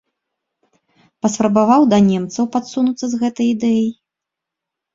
Паспрабаваў да немцаў падсунуцца з гэтай ідэяй.